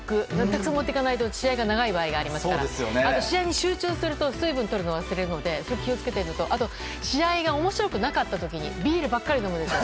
たくさん持っていかないと試合が長い場合がありますからあと、試合に集中すると水分をとるのを忘れるのでそれを気を付けているのと試合が面白くなかった時にビールばっかり飲むでしょ。